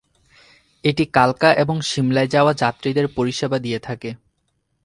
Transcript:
এটি কালকা এবং সিমলায় যাওয়া যাত্রীদের পরিষেবা দিয়ে থাকে।